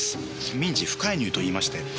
民事不介入といいまして。